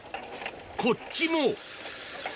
こっちも。